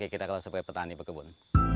di mana kita kalau sebagai petani berkebun